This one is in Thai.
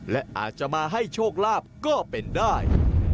และอาจจะมาให้โชคลาภก็เป็นได้